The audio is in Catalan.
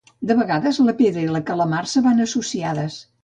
De vegades la pedra i la calamarsa van associades.